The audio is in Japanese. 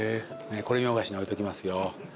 これ見よがしに置いときますよ。